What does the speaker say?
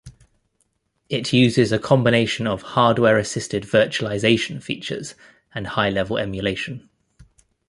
It uses a combination of hardware-assisted virtualization features and high-level emulation.